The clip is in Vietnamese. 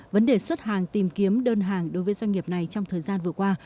vấn đề xuất hàng tìm kiếm đơn hàng đối với doanh nghiệp này trong thời gian vừa qua